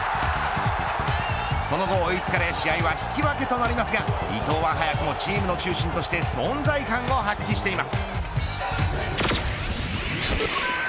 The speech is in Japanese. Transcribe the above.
その後、追いつかれ試合は引き分けとなりますが伊藤は早くもチームの中心として存在感を発揮しています。